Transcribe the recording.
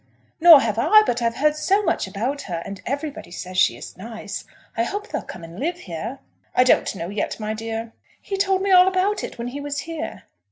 "Nor have I, but I've heard so much about her! And everybody says she is nice. I hope they'll come and live here." "I don't know yet, my dear." "He told me all about it when he was here."